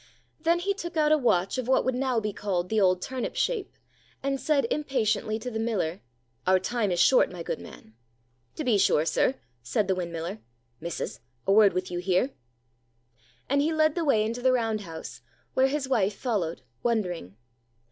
Then he took out a watch of what would now be called the old turnip shape, and said impatiently to the miller, "Our time is short, my good man." "To be sure, sir," said the windmiller. "Missus! a word with you here." And he led the way into the round house, where his wife followed, wondering.